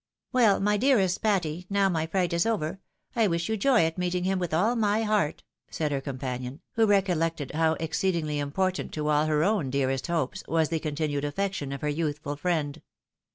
" WeU, my dearest Patty, now my fright is over, I wish yon joy at meeting him with all my heart," said her companion," who recollected how exceedingly important to all her own dearest hopes, was the continued affection of her youthful friend.